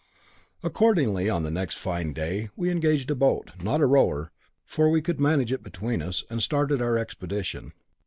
Accordingly, on the next fine day we engaged a boat not a rower for we could manage it between us, and started on our expedition.